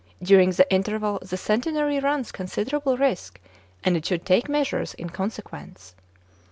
During the interval the Centenary runs consid erable risk, and it should take measures in con sequence."